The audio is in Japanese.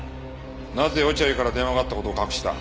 なぜ落合から電話があった事を隠した？